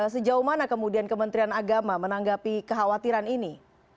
sejauh mana kemudian kementerian agama menanggapi kekhawatiran ini